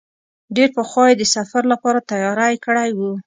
ډېر پخوا یې د سفر لپاره تیاری کړی و.